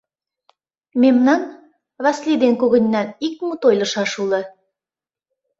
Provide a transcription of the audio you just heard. — Мемнан, Васлий ден когыньнан ик мут ойлышаш уло.